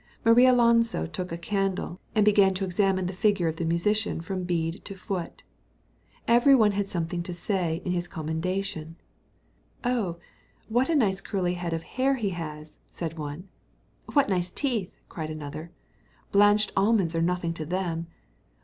Marialonso took a candle, and began to examine the figure of the musician from bead to foot. Every one had something to say in his commendation: "Oh, what a nice curly head of hair he has!" said one. "What nice teeth!" cried another; "blanched almonds are nothing to them."